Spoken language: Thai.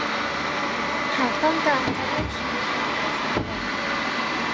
หากต้องการจะร่วมชีวิตกับใครสักคน